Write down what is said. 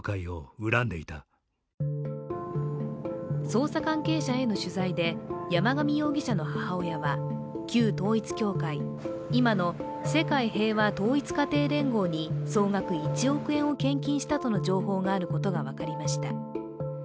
捜査関係者への取材で山上容疑者の母親は旧統一教会今の世界平和統一家庭連合に総額１億円を献金したとの情報があることが分かりました。